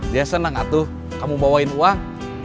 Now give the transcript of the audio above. dia senang atuh kamu bawain uang